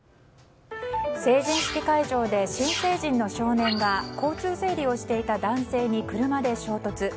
成人式会場で新成人の少年が交通整理をしていた男性に車で衝突。